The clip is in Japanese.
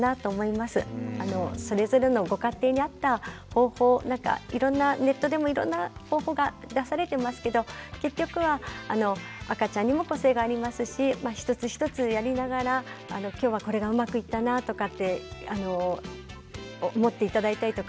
それぞれのご家庭に合った方法をいろんなネットでもいろんな方法が出されてますけど結局は赤ちゃんにも個性がありますし一つ一つやりながら今日はこれがうまくいったなとかって思って頂いたりとか。